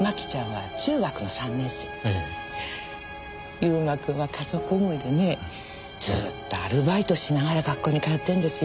悠馬くんは家族思いでねずっとアルバイトしながら学校に通ってるんですよ。